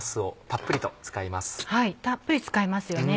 たっぷり使いますよね。